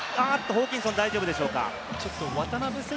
おっとホーキンソン、大丈夫でしょうか？